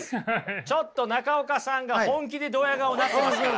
ちょっと中岡さんが本気でドヤ顔なってますから。